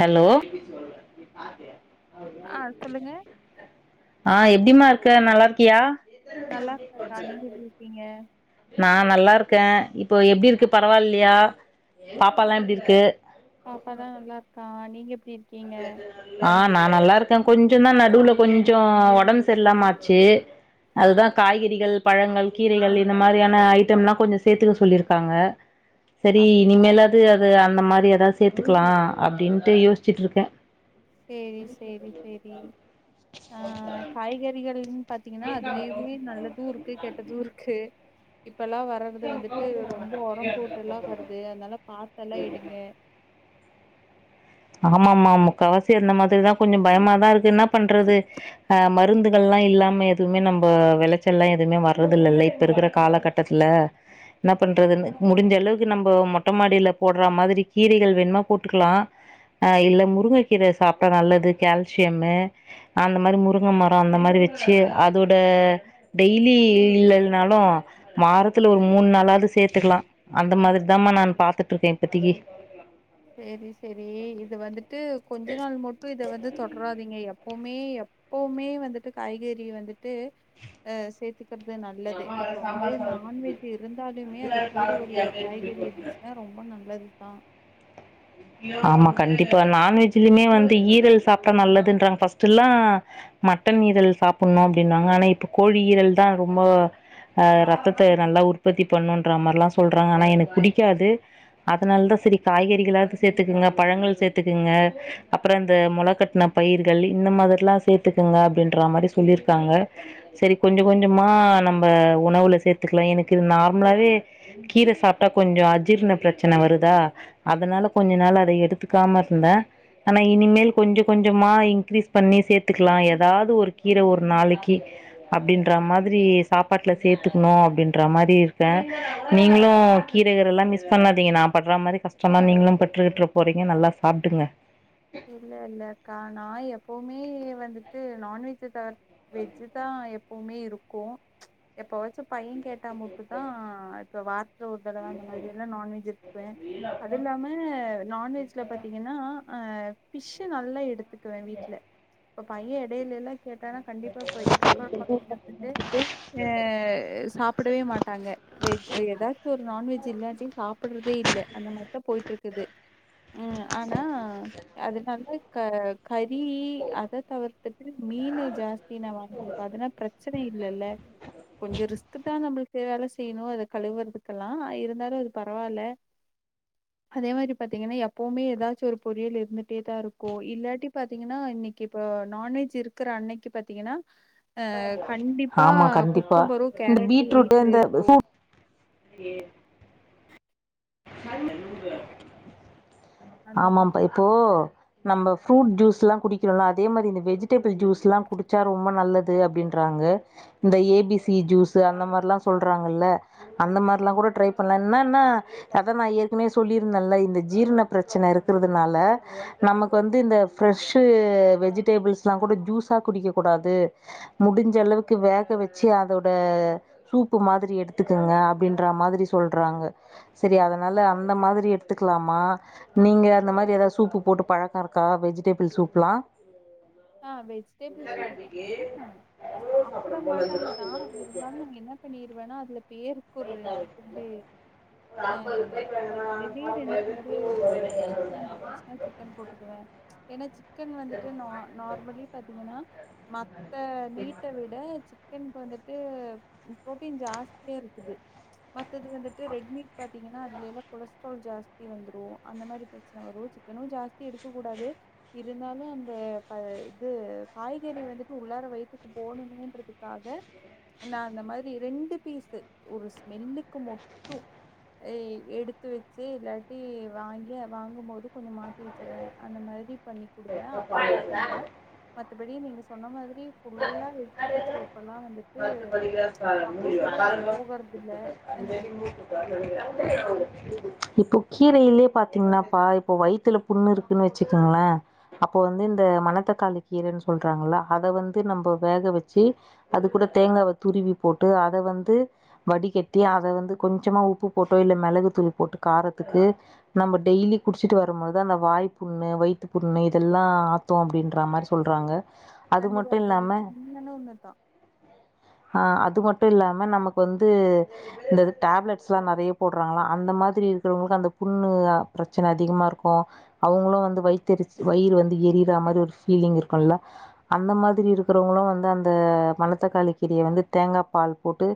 hello ஆ சொல்லுங்க க நல்லாருக்கியா நல்லா இருக்கேக்கா நீங்க எப்டி இருக்கீங்க நா நல்லாருக்க இப்போ எப்டிருக்கு பரவால்லியா பாப்பாலா எப்டிருக்கு பாப்பாதா நல்லாருக்கா நீங்க எப்டிருக் ஆ நா நல்லாருக்க கொஞ்சந்தா நடுல கொஞ்ச ஒடம் சர்ல்லாம ஆச்சு அதுதா காய்கறிகள் பழங்கள் கீரைகள் இந்த மாரியான ஐட்டம்லா கொஞ்ச சேத்துக்க சொல்லிருக்காங்க செரி அப்டியா இனிமேலாது அது அந்த மாரி எதா சேத்துக்லா அப்டின்ட்டு யோஸ்சிட்ருக்க செரி செரி செரி ஆ காய்கறிகள் பாத்தீங்கனா அதிலியுமே நல்லது இருக்கு கெட்டது இருக்கு இப்பல்லா வர்றது வந்துட்டு ரொம்ப ஒரம் போட்டுலா வருது அதனால பாத்தெல்லா எடுங்க [inaudible] ஆமா மா மா முக்காவாசி அந்த மாதிரிதா கொஞ்ச பயமாதாருக்கு என்னாப் பண்றது அ மருந்துகள்லா இல்லா நம்ப எதுவுமே நம்ப வெளச்சல்லா எதுமே வர்றதுல்லல இப்ப இருக்குற காலகட்டத்ல என்னப் பண்றதுன்னு முடிஞ்ச அளவுக்கு நம்ப மொட்ட மாடில போட்ற மாதிரி கீரைகள் வேண்மா போட்டுக்லா அ இல்ல முருங்கக்கீர சாப்டா நல்லது கால்சியம்மு அந்த மாரி முருங்க மர அந்த மாரி ச்சே அதோட டெய்லி இல்லனாலு மாரத்துல ஒரு மூன் நாளாது சேத்துக்லா அந்த மாதிரிதா மா நான் பாத்துட்ருக்க இப்பதிகு செரி செரி இது வந்துட்டு கொஞ்ச நாள் மட்டு இத வந்து தொட்ராதீங்க எப் எப்போமே எப்பவுமே வந்துட்டு காய்கறி வந்துட்டு அ சேத்துக் கிற்து நல்லது இப்ப வந்து நான்வெஜ் இருந்தாலுமே அது கூட ஒரு காய்கறி இருந்துச்சுனா ரொம் ரொம்ப நல்லதுதா உம் ஆமா கண்டிப்பா நான்வெஜ்லிமே வந்து ஈரல் சாப்டா நல்லதுன்றாங்க பஸ்ட்டுல்லா மட் மட்டன் ஈரல் சாப்புன்ணு அப்டின்னாங்க ஆனா இப்ப கோழி ஈரல்தா ரொம்ப அ ரத்தத்த நல்லா உற்பத்தி பண்ணுன்ற மார்லா சொல்றாங்க ஆனா எனக் புடிக்காது அதனால தா செரி காய்கற் றிகளா த் சேத்துக்குங்க பழங்கள் சேத்துக்குங்க அப்புறோ இந்த மொள கட்ன பயிர்களு இந்த மாதிர்லா சேத்துக்குங்க அப்பிடின்ற மாரி சொல்லியிருக்காங்க செரி கொஞ்சோ கொஞ்சமா நம்ப உணவுல சேத் துக்கலா எனக்கு நார்மலாவே கீர சாப்ட்டா கொஞ்சோ அஜீர்ண பிரச்சன்ன வருதா அதனால கொஞ்சோ நாள அத எடுத்துக்காம இந்த ஆனா இனிமேல் கொஞ்சோ கொஞ்சமா இன்க்ரீஸ் பண்ணி சேத்துக்கலா ஏதாவது ஒரு கீர ஒரு நாளைக்கி அப்பிடின்ற மாதிரி சாப்பாட்டுல சேத்துக்கணு அப்பிடின்ற மாரி இருக்கே நீங்களு அ கீரைகலெல்லா மிஸ் பண்ணாதீங்க நா பட்றா மாரி கஷ் டமா நீங்களு பெற்றுக்கிற்ற போறீங்க நல்லா சாப்ட்டுங்க இல்ல இல்ல அக்கா நா எப்போமே வந்துட்டு நான்வெஜ தவர் வெஜ்ஜி தா எப்வுமே இருக்கு எப்ப வச்சு பைய கேட்டா மட்டு தா இப்ப வார்த் து ஒருதர அந்த மாதிரியெல்லா நான்வெஜ் இருக்குவே அது இல்லாம நான்வெஜ்ல பாத்தீங்கன்னா அ ஃபிஷ்ஷு நல்லா எடுத்துக்குவே வீட்ல இப்ப பையே எடையிலேல்லா கேட்டானா கண்டிப்பா இப்ப இப்பருக்கற ப [inaudible] வந்துட்டு எ சாப்பிடவே மாட்டாங்க வெஜ் ஏதாச்சு ஒரு நான்வெஜ் இல்லாட்டி சாப்புடுறதே இல்ல அந்த மாரிதா போய்ட்டு இருக்குது ம் ஆனா அதனால க வ் கறி அத தவுர்த்துட்டு மீனு ஜாஸ்தி நா வாங்க்குடுப்பா அதனா பிரச்சு சுனை இல்லல்ல கொஞ்சோ ரிஸ்க்கு தா நமபுளுக்கு வேல செய்யணு அத கழுவுறதுக்கெல்லா இருந்தாலு அது பரவால்ல அதே மாரி பாத்தீங்கன்னா எப்பவுமே ஏதாச்சு ஒரு பொறியல் இருந்து க்கிட்டேதா இருக்கு இல்லாட்டி பாத்தீங்கன்னா இன்னைக்கி இப்போ நான்வெஜ் இருக்குற அன்னைக்கி பாத்தீங்கன்னா அ கண்டிப்பா ஆமா கண்டிப்பா குக்கும்பரூ கேரட்டூ வீட்ல இருக்கு ஏ ஆமாப்பா இப்போ நம்ம ஃப்ரூட் ஜூஸ்ல்லா குடிக்கிறோலா அதே மாதிரி இந்த வெஜிடபிள் ஜூஸ்ல்லா குடிச்சா ரொம்ப நல்லது அப்பிடின்ற வாங்க இந்த ஏ பி சி ஜூஸ் அந்த மாரில்லா சொல்றாங்கல்ல அந்த மார்லா கூட ட்ரை பண்ண என்னன்னா அதா நா ஏற்கனவே சொல்லியிருந்தன்ல இந்த ஜீரண பிரச்சன இருக்கறதுனால நமக்கு வந்து இந்த ஃபிரஷ்ஷு வெஜிடேபிள்ஸெல்லா கூட ஜூஸ் குடிக்கக் கூடாது முடிஞ்ச அளவுக்கு வேக வெச்சு அதோட சூப்பு மாதிரி எடுத் டுத்துக்கோங்க அப்பிடின்ற மாதிரி சொல்றாங்க செரி அதனால அந்த மாதிரி எடுத்துக்கலாமா நீங்க அந்த மாதிரி ஏதாவது சூப்பு போட்டு பழக்கோ இருக்கா வெஜிடேபிள் சூப்லா ஆ வெஜிடேபிள் சூப்பு [inaudible] அ சாப்புட மாட்டாங்கதா இருந்தாலு என்ன பண்ணிருவேனா அதுல ஒரு பேருக்கு ரெண்டு அ [unintelligible] ரெண்டே ரெண்டு ஃபுட்டோ சிக்கன் இருந்துச்சுன்னா சிக்கன் போட்டுக்குவே ஏன்னா சிக்கன் வந்துட்டு நா நார்மலி பாத்தீங்கன்னா மத்த மீட்ட விட சிக்கன் இப்ப வந்துட்டு பு்ரோட்டீன் ஜாஸ்தியாருக்குது மத்தது வந்துட்டு ரெட் மீட் பாத்தீங்கன்னா அதுலெல்லா கொலஸ்ட்ரால் ஜாஸ்தி வந்துரு அந்த மாதிரி பிரச்சன வரு சிக்கனு ஜாஸ்தி எடுக்கக் கூடாது இருந்தாலு அந்த அ இது காய்கறி வந்துட்டு உள்ளார வயித்துக்கு போணுமேன்றத்துக்காக நா அந்த மாரி ரெண்டு பீஸ்ஸு ஒரு ஸ்மெல்லுக்கு மட்டு எ எடுத்து வெச்சு இல்லாட்டி வாங்கியே வாங்கும்போது கொஞ்சோ மாத்தி வெச்சிருவே அந்த மார் அதிப் பண்ணி குடுப்ப அப்பதுக் குவாங்க மத்தப்படி நீங்க சொன்ன மாதிரி புல்லா வெஜிடபிள்சு கூட பத்து போகறதில்ல [unintelligible] இப்போ கீரையிலே பாத்தீங்கன்னாப்பா இப்போ வயித்துல புண்ணுருக்குன்னு வெச்சுக்கோங்களே அப்போ வந்து இந் த மணத்தக்காளி கீரன்னு சொல்றாங்ள அத வந்து நம்ப வேக வெச்சு அது கூட தேங்காவ துருவி போட்டு அத வந்து வடிகட்டி அத வந்து கொஞ்சமா உப்பு போட்டு இல் மெளகு தூள் போட்டு காரத்துக்கு நம்ம டெய்லி குடிச்சிட்டு வரும்போதா இந்த வாய்ப்புண்ணு வயித்துப் புண் ணு இதெல்லா ஆத்தூ அப்டின்ற மாரி சொல்றாங்க கண்டிப்பா அது இன்னன்னு ஒன்னுதா ஹ ஆ அது மட்டு இல்லாம நமக்கு வந்து இந்த டேப்லெட்ஸ்லா நறைய போட்றாங்கல அந்த மாத் த்ரி இருக்கவுங்ளுக்கு அந்த புண்ணு ப்ரச்சன அதிகமார்க்கூ அவுங்ளூ வந்து வயித்தெர்ச் வயிறு வந்து எ ரிற மாரி ஒரு ஃபீலிங் இருக்கூல அந்த மாத்ரி இருக்றவங்களு வந்து அந்த மணத்தக்காளி கீரைய வந்து தேங்கா பால் போட்டு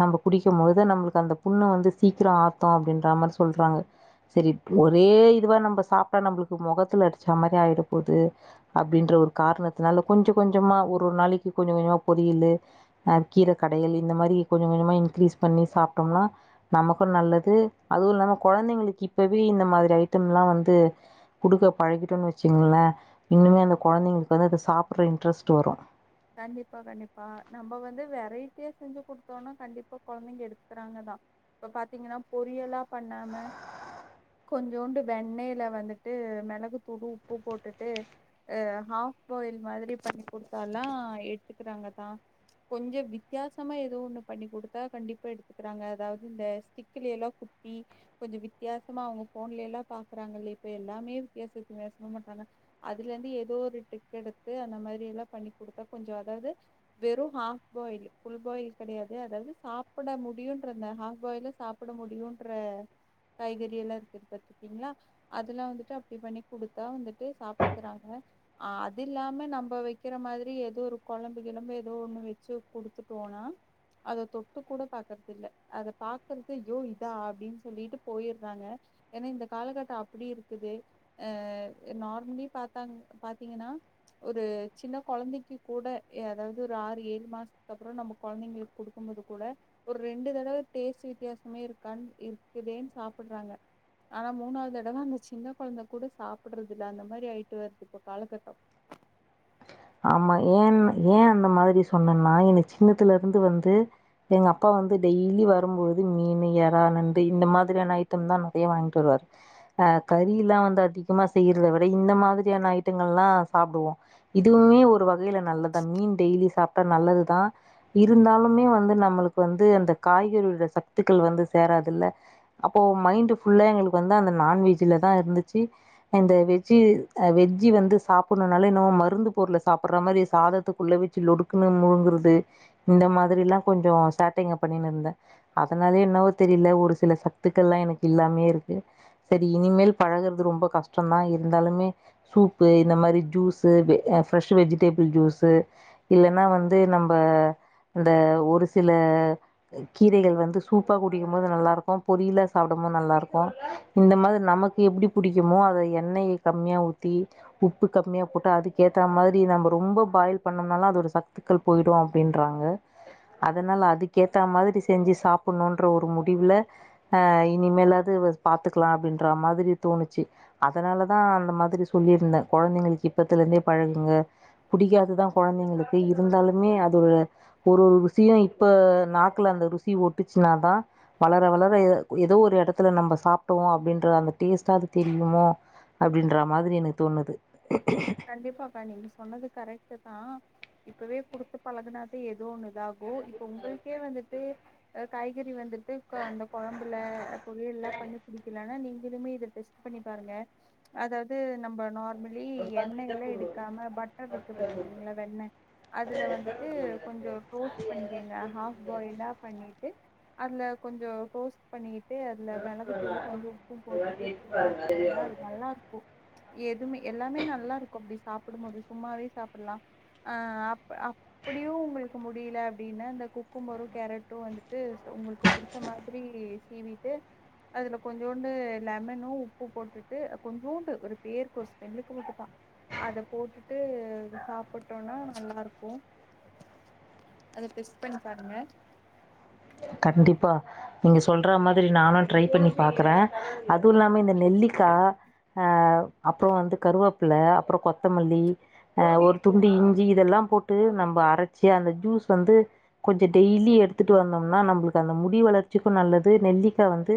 நம்ம குடிக்கும்போது நம்ளுக்கு அந்த புண்ணு வந்து சீக்கிரோ ஆத்தூ அப்டின்ற மாரி சொல்றாங்க செரி ஒரே இதுவா நம்ப சாப்ட்டா நம்ளுக்கு மொகத்துல அடிச்சா மாரி ஆயிர போது அப்டின்ற ஒரு காரணத்தினால கொஞ்சோ கொஞ்சமா ஒர் ஒர் நாளைக்கு கொஞ்சோ கொஞ்சமா பொரியலு ஆ கீர கடையலு இந்த மாரி கொஞ்சோ கொஞ்சமா இன்க்ரீஸ் பண்ணி சாப்டோம்னா நமக்கு நல்லது அதுவு இல்லாம கொழந்தைங்களுக்கு இப்பவே இந்த மாத்ரி ஐட்டம்லா வந்து குடுக்க பழகி டு வச்சீங்ளே இன்னுமே அந்த கொழந்தைங்களுக்கு வந்து அத சாப்புற இன்ட்ரெஸ்ட் வரூ கண்டிப்பா கண்டிப்பா நம்ம வந்து வெரைட்டியா செஞ்சு குடுத்தோனா கண்டிப்பா கொழந்தைங்க எடுத்துக்றாங்கதா இப்ப பாத்தீங்கனா பொரியலா பண்ணாம கொஞ்சோண்டு வெண்ணயில வந்துட்டு மிளகு தூபூ உப்பு போட்டுட்டு அ ஹாஃப் பாயில் மாத்ரி பண்ணி குடுத்தாலா எடுத்துக்றாங்கதா கொஞ்சோ வித்தியாசமா எதோ ஒன்னு பண்ணி குடுத்தா கண்டிப்பா எடுத்துக்றாங்க அதாவ்து இந்த ஸ்டிக்லேலோ குத் த்தி கொஞ்சோ வித்தியாசமா அவுங்க ஃபோன்லேலா பாக்குறாங்கல்லே இப்ப எல்லாமே வித்தியாச வித்தியாசமா பண்றாங்க அதுலேந்து ஏதோ ஒரு டிப் எடுத்து அந்த மாரி எல்லா பண்ணி குடுத்தா கொஞ்சோ அதாவ்து வெறூ ஹாஃப் பாயில் ஃபுல் பாயில் கெடையாது அதாவ்து சாப்ட முடியுன் ன்ற அந்த ஹாஃப் பாயில சாப்பிட முடியூன்ற காய்கறி எல்லா இருக்குது பாத்ருகீங்ளா அதெல்லா வந்துட்டு அப்டி பண்ணி குடுத்தா வந்துட்டு சாப்ட்டுக்கிறாங்க ஆ அது இல்லாம நம்ப வக்கிற மாதி ரி எதோ ஒரு கொழம்பு கிழம்பு எதோ ஒன்னு வச்சு குடுத்துட்டோனா அத தொட்டு கூட பாக்றதில்ல அத பாக்குறத யோ இதா அப்டின் சொல்லிட்டு போயிறாங்க ஏனா இந்த காலகட்ட அப்டி இருக்குது அ நார்மிலி பாத்தாங் பாத்தீங்கனா ஒரு சின்ன கொழந்தைக்கு கூட எ அதாவ்து ஒரு ஆறு ஏழு மாசத்துக்கப்றோ நம்ம குழந்தைங்களுக்கு குடுக்கும்போது கூட ஒரு ரெண்டு தடவ டேஸ்ட் வித்தியாசமே இருக்கான் இருக்குதேன் சாப்பிட்றாங்க ஆனா மூணாவ்து தடவ அந்த சின்ன கொழந்த கூட சாப்பிட்றதில்ல அந்த மாரி ஆயிட்டு வருது இப்ப காலகட்டோ ஆமா ஏன் ஏ அந்த மாதிரி சொன்னேன்னா என்ன சின்னத்துலருந்து வந்து எங்கப்பா வந்து டெய்லி வரும்பொழுது மீனு எறா நண்டு இந்த மாத்ரியான ஐட்டம் தா நறைய வாங்கிட்டு வருவாரு ஆ கறிலா வந்து அதிகமா செய்றத விட இந்த மாத்ரியான ஐட்டங்கள்லா சாப்டுவோ இதுவுமே ஒரு வகையில நல்லதான் மீன் டெய்லி சாப்ட்டா நல்லது தா இருந்தாலுமே வந்து நம்மளுக் வந்து அந்த காய்கறி உள்ள சத்துக்கள் வந்து சேராதுல்ல அப்போ மைண்ட் ஃபுல்லா எங்ளுக்கு வந்து அந்த நான்வெஜ்ஜில தா இர்ந்துச்சி இந்த வெஜ்ஜி வெஜ்ஜி வந்து சாப்புட்ணூனாலே என்னவோ மர் ருந்து பொருள சாப்பிட்ற மாரி சாதத்துக்குள்ள வச்சு லொடுக்குன்னு முழுங்குறது இந்த மாதிரிலா கொஞ்சோ ஸ்டார்டிங்க பண்ணின்ந்தே அதனால என்னவோ தெரில ஒரு சில சத்துக்கள்லா எனக்கு இல்லாமே இருக்கு செரி இனிமேல் பழகுறது ரொம்ப கஷ்டோந்தா இருந்தாலுமே சூப்பு இந்த மாரி ஜூஸு பெ ஆ ஃப்ரெஷ் வெஜிடேபிள் ஜூஸு இல்லன்னா வந்து நம்ப இந்த ஒரு சில கீரைகள் வந்து சூப்பா குடிக்கும்போது நல்லாருக்கூ பொரியலா சாப்டும் ம நல்லார்க்கூ இந்த மாரி நமக்கு எப்டி புடிக்குமோ அத எண்ணெய் கம்மியா ஊத்தி உப் பு கம்மியா போட்டா அது கேத்த மாத்ரி நம்ம ரொம்ப பாயில் பண்ணோனாலு அதோட சத்துக்கள் போயிடூ அப்டின்றாங்க அதனால அதுக்கேத்த மாதிரி செஞ்சு சாப்புட்ணூன்ற ஒரு முடிவுல ஆ இனிமேலாது பாத்துக்கலா அப்டின்ற மாதிரி தோணுச்சு அதனாலதா அந்த மாதிரி சொல்லியிருந்தே கொழந்தைங்களுக்கு இப் ப்பத்துலேந்தே பழகுங்க புடிக்காதுதா கொழந்தைங்களுக்கு இருந்தாலுமே அது ஒரு ஒரு விஷியோ இப்ப நாக்கல அந்த ருசி ஒட்டுச்சுனா தான் வளர வளர ஏதோ ஒரு எடத்துல நம்ம சாப்ட்டோ அப்படின்ற அந்த டேஸ்ட அது தெரியுமோ அப்படின்ற மாதிரி எனக்கு தோணுது கண்டிப்பாக்கா நீங்க சொன்னது கரெக்ட் தான் இப்பவே குடுத்து பழகுனாதான் எதோ ஒண்ணு இதாகு இப்ப உங்களுக்கே வந்துட்டு காய்கறி வந்துட்டு அந்த குழம்புல பொறியல பண்ணி புடிக்கலா நீங்கலுமே இத டெஸ்ட் பண்ணி பாருங்க அதாவது நம்ம நார்மலி எண்ணெய எல்லாம் எடுக்காம பட்டர் இருக்கு பாத்திருக்கீங்களா வெண்ணெய் அதுல வந்துட்டு கொஞ்சம் கோஸ்ட் பண்ணிக்கோங்க ஆப்பு பாய்ல பண்ணிட்டு அதுல கொஞ்சம் கோஸ்ட் பண்ணி ட்டு அதுல மிளகு தூளும் கொஞ்சம் உப்பும் போட்டுட்டு சாப்ட்டு பாருங்க அது நல்லா இருக்கும் எதுமே எல்லாமே நல்ல அப்படி சாப்டும்போது சும்மாவே சாப்டலா அப்படியு உங்களுக்கு முடியல அப்படின்னா அந் குக்கும்மரு கேரட்டு வந்துட்டு உங்களுக்கு புடிச்ச மாதிரி சிவி அதுல கொஞ்சோண்டு லெமனும் உப்பு போட்டுட்டு கொஞ்சோண்டு ஒரு பேருக்கு ஒரு ஸ்மெல்க்கு மட்டு தா அத போட்டுட்டு சாப்புட்டோனா நல்லா இருக்கு அத டெஸ்ட் பண்ணி பாருங்க சொல்ற மாதிரி நானும் ட்ரை பண்ணி பாக்குறே அதுவு இல்லாம இந்த நெல்லிக்காய அ அப்புறம் வந்து கருவேப்புல அப்புறம் கொத்தமல்லி ஆ ஒரு துண்டி இஞ்சி இதெல்லாம் போட்டு நம்ம அரைச்சு அந்த ஜூஸ் வந்து கொஞ்சம் டெய்லி எடுத்துட்டு வந்த நம்மளுக்கு அந்த முடி வளர்ச்சிக்கு நல்லது நெல்லிக்க வந்து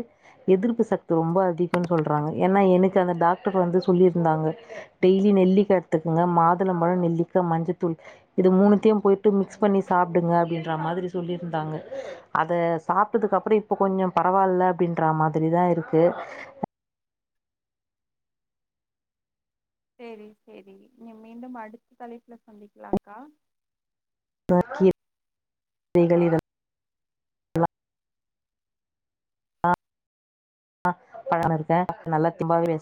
எதிர்ப்பு சக்தி ரொம்ப அதிகனு சொல்ற ஏன்னா எனக்கு அந்த டாக்டர் வந்து சொல்லிருந்தாங்க டெய்லி நெல்லி எடுத்துக்குங்க மாதுளம்பழம் நெல்லி மிக்க மஞ்சத்தூள் இது மூணுத்தையும் போயிட்டு மிக்ஸ் பண்ணி சாப்பிடுங்க அப்படின்ற மாதிரி சொல்லியிருந்தாங்க அத சாப்ட்டதுக்கு அப்புறம் இப்ப கொஞ்சம் பரவாயில்ல அப்படின்ற மாதிரிதான் இருக்கு செரி செரி நீ மீண்டும் அடுத்த தலைப்புல சந்திக்கலாக்கா [unintelligible] ஆ [unintelligible] இருக்கே நல்லா [unintelligible]